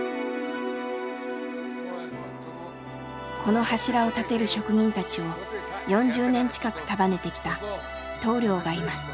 この柱を建てる職人たちを４０年近く束ねてきた棟梁がいます。